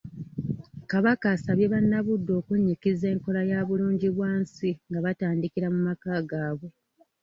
Kabaka asabye bannabuddu okunnyikiza enkola ya bulungibwansi nga batandikira mu maka gaabwe.